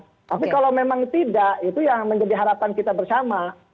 tapi kalau memang tidak itu yang menjadi harapan kita bersama